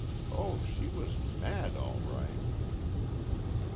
Oh, she was mad all right."